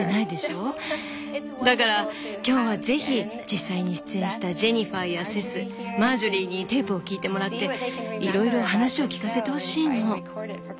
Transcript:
だから今日は是非実際に出演したジェニファーやセスマージョリーにテープを聞いてもらっていろいろ話を聞かせてほしいの。